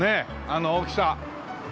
あの大きさ。